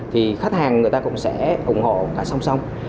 thì khách hàng người ta cũng sẽ ủng hộ cả song song